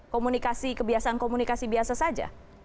komunikasi kebiasaan komunikasi biasa saja